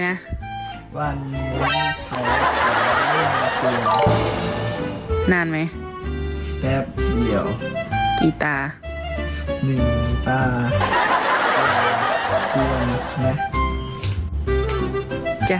อยู่นี่หุ่นใดมาเพียบเลย